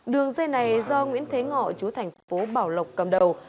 đường dây này do nguyễn thế ngọ chú thành phố bảo lộc cầm đầu